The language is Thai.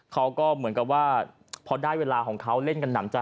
เขาก็เหมือนกับว่าพอได้เวลาของเขาเล่นกันหนำใจ